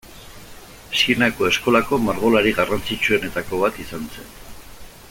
Sienako eskolako margolari garrantzitsuenetako bat izan zen.